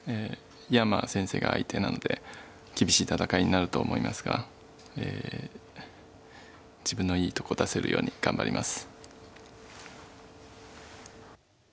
井山先生が相手なので厳しい戦いになると思いますが自分のいいとこを出せるように頑張ります。